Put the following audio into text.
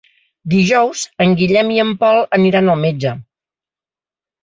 Dijous en Guillem i en Pol aniran al metge.